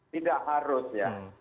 tidak harus ya